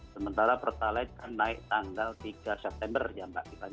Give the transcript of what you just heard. sementara pertalite naik tanggal tiga september ya mbak titani